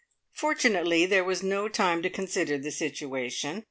Fortunately there was no time to consider the situation.